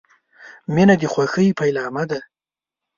• مینه د خوښۍ پیلامه ده.